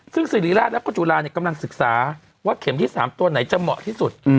ซึ่งสิริราชแล้วก็จุฬากำลังศึกษาว่าเข็มที่๓ตัวไหนจะเหมาะที่สุด